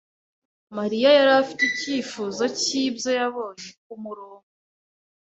Mariya yari afite icyifuzo cyibyo yabonye kumurongo.